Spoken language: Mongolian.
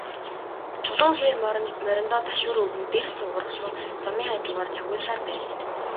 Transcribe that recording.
Чулуун хээр мориндоо ташуур өгөн, дэрс ургасан замын хажуугаар цогиулсаар байв.